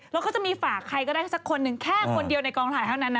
แล้วเขาจะมีฝากใครก็ได้สักคนหนึ่งแค่คนเดียวในกองถ่ายเท่านั้นนะ